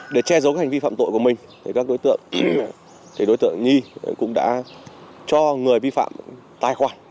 để che giấu hành vi phạm tội của mình các đối tượng nhi cũng đã cho người vi phạm tài khoản